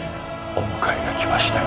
お迎えが来ましたよ。